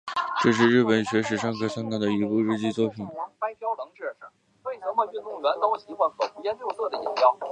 这是日本文学史上可考的第一部日记文学作品。